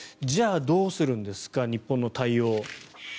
じゃあ、どうするんですか日本の対応。